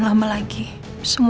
jangan pada kamu